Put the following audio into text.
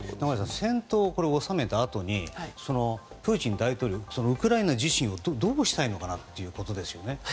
中林さん戦闘を収めたあとにプーチン大統領はウクライナ自身をどうしたいのかなということですよね。